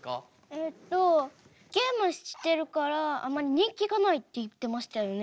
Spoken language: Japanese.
えっとゲームしてるからあまり人気がないって言ってましたよね。